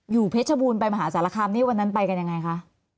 เพชรบูรณ์ไปมหาสารคามนี่วันนั้นไปกันยังไงคะ